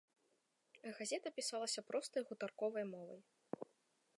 Газета пісалася простай гутарковай мовай.